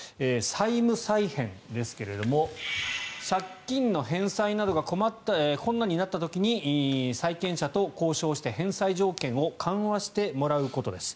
債務再編ですが借金の返済などが困難になった時に債権者と交渉して返済条件を緩和してもらうことです。